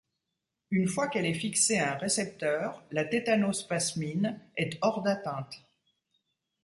Une fois qu'elle est fixée à un récepteur, la tétanospasmine est hors d'atteinte.